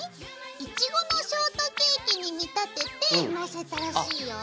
イチゴのショートケーキに見立ててのせたらしいよ。